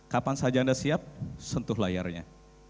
kapan saja anda siap sentuh layarnya